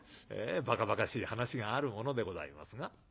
ばかばかしい噺があるものでございますが。